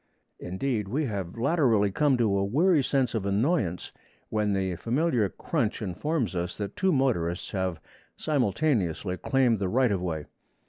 Indeed, we have latterly come to a weary sense of annoyance when the familiar crunch informs us that two motorists have simultaneously claimed the right of way.